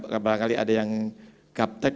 kadang kadang ada yang gap tech